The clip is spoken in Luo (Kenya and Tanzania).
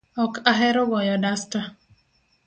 Ok ahero goyo dasta